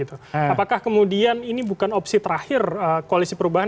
apakah kemudian ini bukan opsi terakhir koalisi perubahan